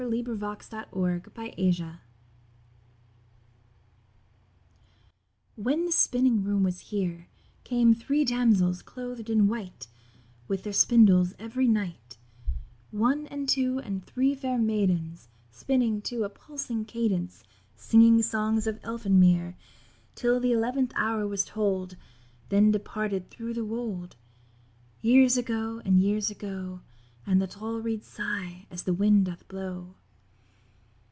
THE MAIDS OF ELFIN MERE When the spinning room was here Came Three Damsels, clothed in white, With their spindles every night; One and Two and three fair Maidens, Spinning to a pulsing cadence, Singing songs of Elfin Mere; Till the eleventh hour was toll'd, Then departed through the wold. Years ago, and years ago; And the tall reeds sigh as the wind doth blow.